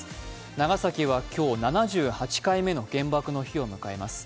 長崎は今日、７８回目の原爆の日を迎えます。